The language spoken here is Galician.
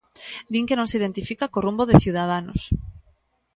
Di que non se identifica co rumbo de Ciudadanos.